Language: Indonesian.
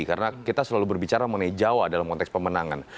karena kita selalu berbicara mengenai jawa dalam konteks pemenangan